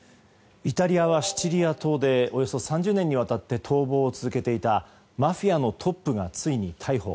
イタリアはシチリア島でおよそ３０年にわたって逃亡を続けていたマフィアのトップがついに逮捕。